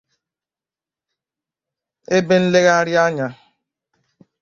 ebe nlegharịanya